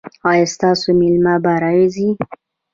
ایا ستاسو میلمه به راځي؟